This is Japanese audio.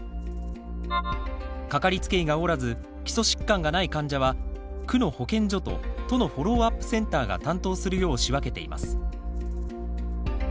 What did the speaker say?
かかりつけ医がおらず基礎疾患がない患者は区の保健所と都のフォローアップセンターが担当するよう仕分けています。